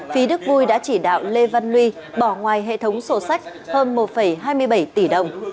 phí đức vui đã chỉ đạo lê văn luy bỏ ngoài hệ thống sổ sách hơn một hai mươi bảy tỷ đồng